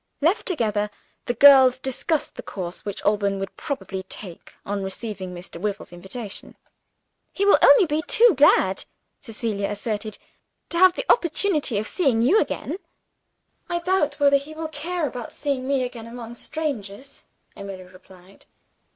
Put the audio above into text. Left together, the girls discussed the course which Alban would probably take, on receiving Mr. Wyvil's invitation. "He will only be too glad," Cecilia asserted, "to have the opportunity of seeing you again." "I doubt whether he will care about seeing me again, among strangers," Emily replied.